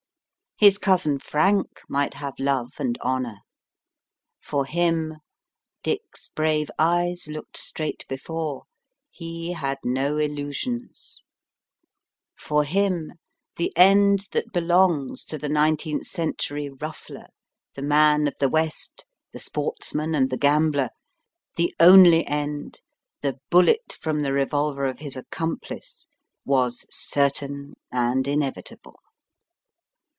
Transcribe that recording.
His cousin Frank might have love and honour. For him Dick s brave eyes looked straight before he had no illusions ; for him, the end that belongs to the nineteenth century ruffler, the man of the West, the sportsman and the gambler, the only end the bullet from the revolver of his accomplice, was certain and inevitable.